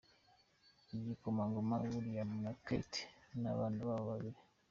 Igikomangoma William na Kate n’ abana babo babiri